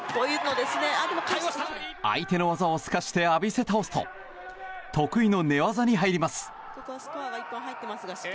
相手の技を透かして浴びせ倒すと得意の寝技に入ります。